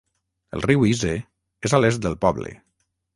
El riu Ise és a l'est del poble.